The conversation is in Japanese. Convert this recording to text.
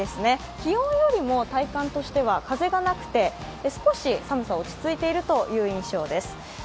気温よりも体感としては風がなくて少し寒さ落ち着いてるという印象です。